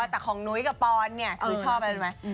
อ๋อแต่ของหนุ๊ยกับปอนด์เนี่ยคือชอบอะไรไหม